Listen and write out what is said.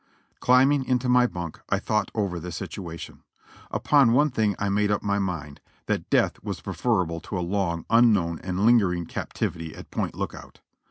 Climbing into my bunk I thought over the situation. Upon one thing I made up my mind, that death was preferable to a long, unknown and lingering captivity at Point Lookout.